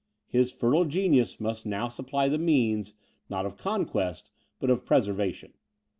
His fertile genius must now supply the means, not of conquest, but of preservation.